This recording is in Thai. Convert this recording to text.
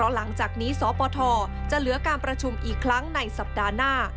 หลังจากนี้สปทจะเหลือการประชุมอีกครั้งในสัปดาห์หน้า